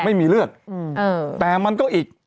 ไม่มีเลือดแต่มันก็อีก